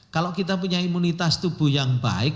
kalau kita punya imunitas tubuh yang baik